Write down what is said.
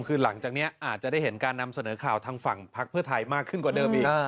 คือหลังจากนี้อาจจะได้เห็นการนำเสนอข่าวทางฝั่งพักเพื่อไทยมากขึ้นกว่าเดิมอีก